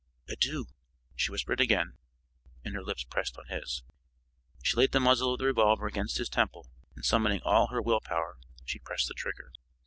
"Adieu!" she whispered again, and her lips pressed on his. She laid the muzzle of the revolver against his temple, and, summoning all her will power, she pressed the trigger.